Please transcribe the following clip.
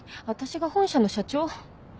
私が本社の社長？